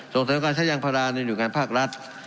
ส่งเสียงการใช้ยางภาราในอยู่กันภาครัฐ